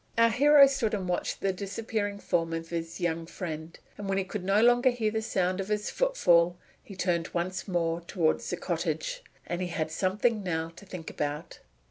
Our hero stood and watched the disappearing form of his young friend, and when he could no longer hear the sound of his footfall he turned once more toward the cottage. And he had something now to think about.